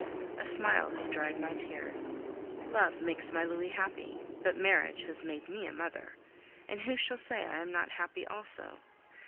A smile has dried my tears. Love makes my Louis happy, but marriage has made me a mother, and who shall say I am not happy also?